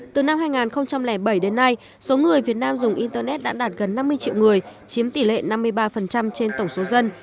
từ năm hai nghìn bảy đến nay số người việt nam dùng internet đã đạt gần năm mươi triệu người chiếm tỷ lệ năm mươi ba trên tổng số dân